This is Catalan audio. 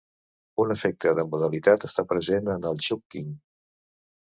Un efecte de modalitat està present en el chunking.